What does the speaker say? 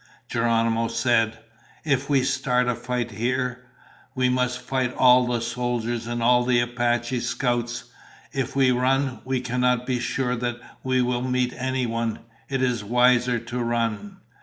Geronimo said, "If we start a fight here, we must fight all the soldiers and all the Apache scouts. If we run, we cannot be sure that we will meet anyone. It is wiser to run."